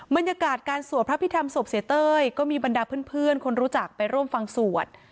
บรรยากาศการสวดพระพิธรรมศพเสียเต้ยก็มีบรรดาเพื่อนคนรู้จักไปร่วมฟังสวด